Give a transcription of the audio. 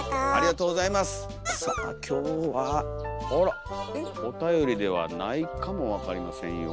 さあ今日はあらおたよりではないかもわかりませんよ。